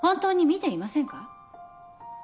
見ていません。